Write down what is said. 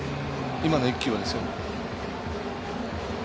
今の１球はですよ。